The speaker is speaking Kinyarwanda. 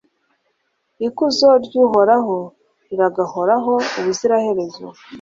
Ikuzo ry’Uhoraho riragahoraho ubuziraherezo